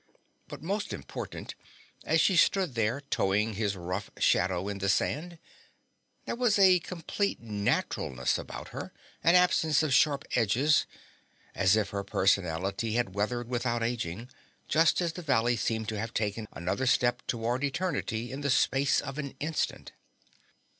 But most important, as she stood there toeing his rough shadow in the sand, there was a complete naturalness about her, an absence of sharp edges, as if her personality had weathered without aging, just as the valley seemed to have taken another step toward eternity in the space of an instant.